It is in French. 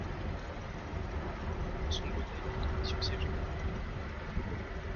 Son bonnet était tombé sur ses genoux.